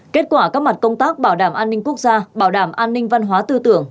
kết quả các mặt công tác bảo đảm an ninh quốc gia bảo đảm an ninh văn hóa tư tưởng